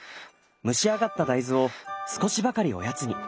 蒸し上がった大豆を少しばかりおやつに。